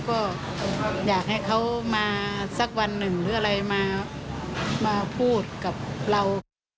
ก็อยากให้เขามาสักวันหนึ่งหรืออะไรมาพูดกับเรา